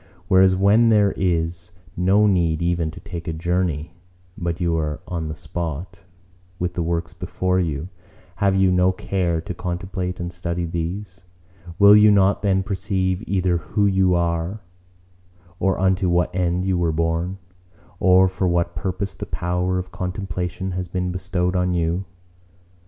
Whereas when there is no need even to take a journey, but you are on the spot, with the works before you, have you no care to contemplate and study these? Will you not then perceive either who you are or unto what end you were born: or for what purpose the power of contemplation has been bestowed on you?